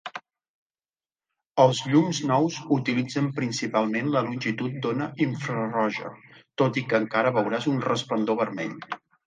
Els llums nous utilitzen principalment la longitud d'ona infraroja, tot i que encara veuràs un resplendor vermell.